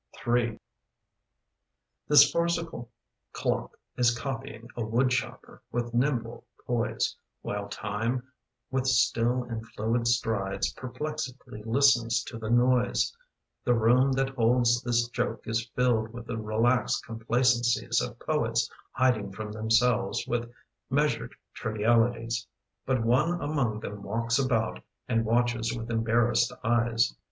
Ill J[ HIS farcical clock is copying A wood chopper with nimble poise, While Time, with still and fluid strides, Perplexedly listens to the noise. The room that holds this joke is filled With the relaxed complacencies Of poets hiding from themselves With measured trivialities. But one among them walks about And watches with embarrassed eyes.